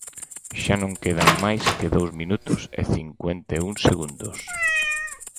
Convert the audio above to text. Xa non quedan máis que dous minutos e cincuenta e un segundos.